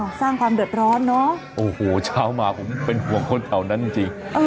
สร้างความเดือดร้อนเนอะโอ้โหเช้ามาผมเป็นห่วงคนแถวนั้นจริงจริง